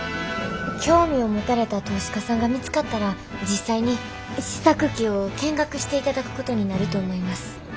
興味を持たれた投資家さんが見つかったら実際に試作機を見学していただくことになると思います。